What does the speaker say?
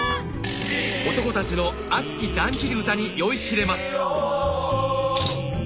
男たちの熱きだんじり唄に酔いしれます